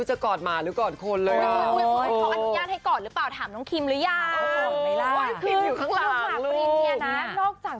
ฉันอยากให้เขาอุ้มฉันแบบนี้บ้าง